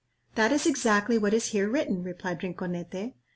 "That is exactly what is here written," replied Rinconete.